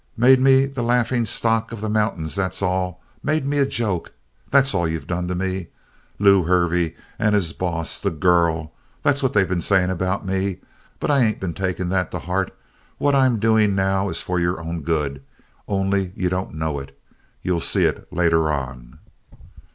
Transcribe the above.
"Made me the laughing stock of the mountains that's all. Made me a joke that's all you've done to me. 'Lew Hervey and his boss the girl.' That's what they been saying about me. But I ain't been taking that to heart. What I'm doing now is for your own good, only you don't know it! You'll see it later on."